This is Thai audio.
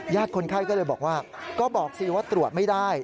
คนไข้ก็เลยบอกว่าก็บอกสิว่าตรวจไม่ได้